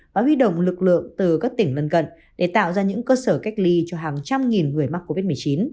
và huy động lực lượng từ các tỉnh lân cận để tạo ra những cơ sở cách ly cho hàng trăm nghìn người mắc covid một mươi chín